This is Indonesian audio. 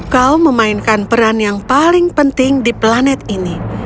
kau memainkan peran yang paling penting di planet ini